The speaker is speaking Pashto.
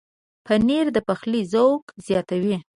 پنېر د پخلي ذوق زیاتوي.